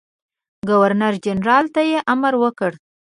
ګورنرجنرال ته یې امر وکړ.